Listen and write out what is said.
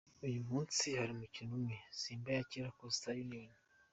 Uyu munsi hari umukino umwe, Simba yakira Coastal Union.